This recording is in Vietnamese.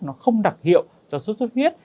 nó không đặc hiệu cho số suất huyết